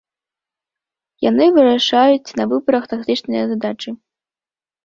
Яны вырашаюць на выбарах тактычныя задачы.